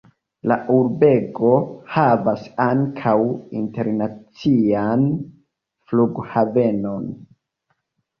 La urbego havas ankaŭ internacian flughavenon.